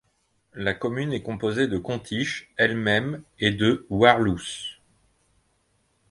La commune est composée de Kontich elle-même et de Waarloos.